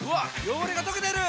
汚れが溶けてる！